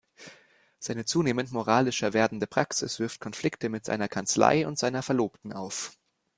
Seine zunehmend moralischer werdende Praxis wirft Konflikte mit seiner Kanzlei und seiner Verlobten auf.